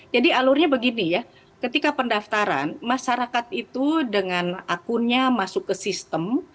jadi alurnya begini ya ketika pendaftaran masyarakat itu dengan akunnya masuk ke sistem